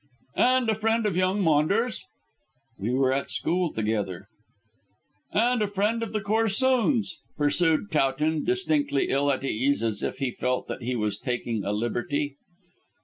"And a friend of young Maunders." "We were at school together." "And a friend of the Corsoons," pursued Towton, distinctly ill at ease, as if he felt that he was taking a liberty.